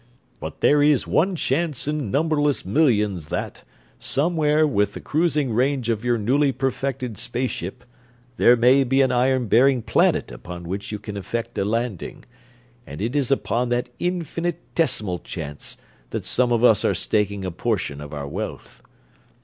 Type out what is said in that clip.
But there is one chance in numberless millions that, somewhere with the cruising range of your newly perfected space ship, there may be an iron bearing planet upon which you can effect a landing, and it is upon that infinitesimal chance that some of us are staking a portion of our wealth.